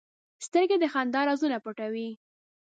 سترګې د خندا رازونه پټوي